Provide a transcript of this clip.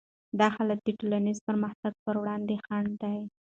دا حالت د ټولنیز پرمختګ پر وړاندې خنډ دی.